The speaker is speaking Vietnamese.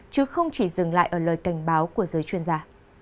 chứ không chỉ dừng lại ở lời cảnh báo của giới chuyên gia